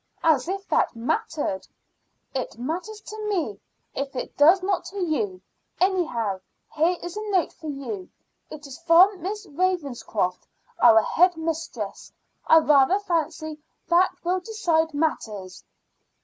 "As if that mattered." "It matters to me, if it does not to you. Anyhow, here is a note for you. It is from Miss Ravenscroft, our head mistress. I rather fancy that will decide matters."